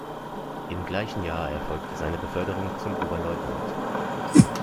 Im gleichen Jahr erfolgte seine Beförderung zum Oberleutnant.